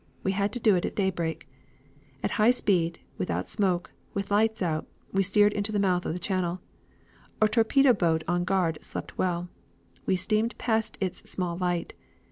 We had to do it at daybreak. At high speed, without smoke, with lights out, we steered into the mouth of the channel. A torpedo boat on guard slept well. We steamed past its small light.